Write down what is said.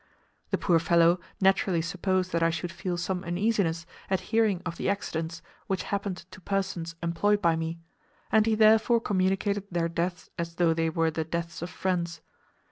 The poor fellow naturally supposed that I should feel some uneasiness at hearing of the "accidents" which happened to persons employed by me, and he therefore communicated their deaths as though they were the deaths of friends.